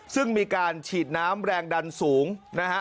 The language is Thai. ซึ่งมีการฉีดน้ำแรงดันสูงนะฮะ